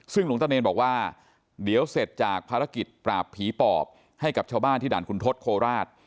ซึ่งหลวงตะเนรบอกว่าเดี๋ยวเสร็จจากภารกิจปราบผีปอบให้กับชาวบ้านที่ด่านคุณทศโคราช